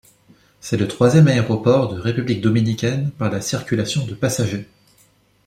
C'est le troisième aéroport de République Dominicaine par la circulation de passager.